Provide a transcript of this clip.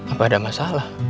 apa ada masalah